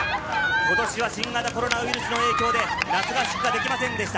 今年は新型コロナウイルスの影響で、夏合宿ができませんでした。